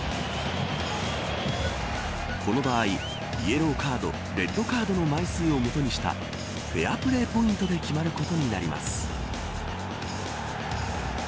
この場合イエローカードレッドカードの枚数を基にしたフェアプレーポイントで決まることになります。